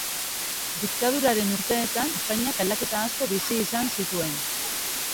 Diktaduraren urteetan, Espainiak aldaketa asko bizi izan zituen.